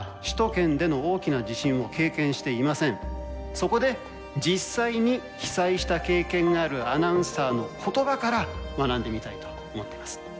そこで実際に被災した経験があるアナウンサーの言葉から学んでみたいと思っています。